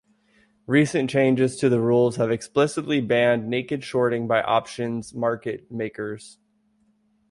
Recent changes to the rules have explicitly banned naked shorting by options market makers.